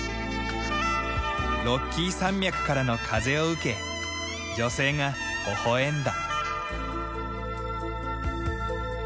ロッキー山脈からの風を受け女性がほほ笑んだ。